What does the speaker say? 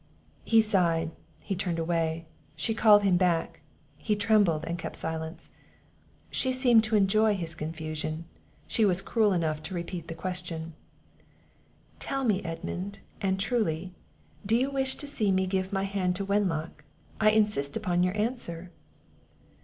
He sighed, he turned away. She called him back; he trembled, and kept silence. She seemed to enjoy his confusion; she was cruel enough to repeat the question. "Tell me, Edmund, and truly, do you wish to see me give my hand to Wenlock? I insist upon your answer."